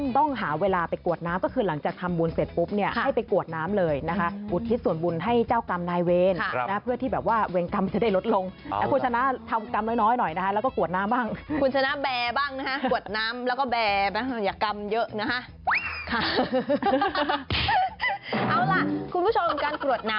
ต้องหาเวลาไปกวดน้ำก็คือหลังจากทำบุญเสร็จปุ๊บเนี่ยให้ไปกวดน้ำเลยนะคะอุทิศส่วนบุญให้เจ้ากรรมนายเวรนะเพื่อที่แบบว่าเวรกรรมจะได้ลดลงแต่คุณชนะทำกรรมน้อยหน่อยนะคะแล้วก็กวดน้ำบ้างคุณชนะแบร์บ้างนะฮะกวดน้ำแล้วก็แบบอย่ากรรมเยอะนะฮะ